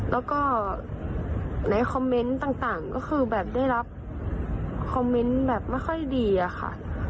แล้วก็ในคอมเมนต์ต่างก็คือแบบได้รับคอมเมนต์แบบไม่ค่อยดีอะค่ะ